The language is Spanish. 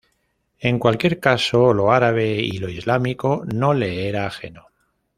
En cualquier caso, lo árabe y lo islámico no le era ajeno.